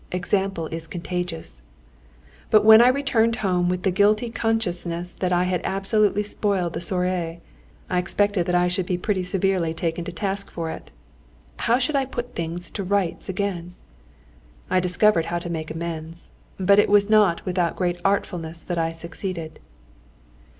Example is contagious. But I returned home with the guilty consciousness that I had absolutely spoiled the soirée. I expected that I should be pretty severely taken to task for it. How should I put things to rights again? I discovered how to make amends, but it was not without great artfulness that I succeeded.